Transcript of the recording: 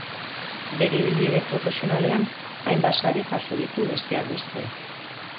Bere ibilbide profesionalean hainbat sari jaso ditu, besteak beste.